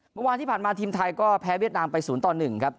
เมื่อวานที่ผ่านมาทีมไทยก็แพ้เวียดนามไป๐ต่อ๑ครับ